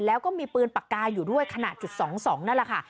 แล้วก็มีปืนปากกาอยู่ด้วยขนาดจุด๒๒นั่นแหละค่ะ